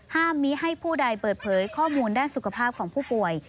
มิให้ผู้ใดเปิดเผยข้อมูลด้านสุขภาพของผู้ป่วย